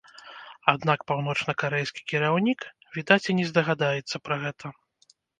Аднак паўночнакарэйскі кіраўнік, відаць, і не здагадаецца пра гэта.